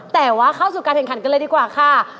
แต่ว่าเข้าสู่การแข่งขันกันเลยดีกว่าค่ะ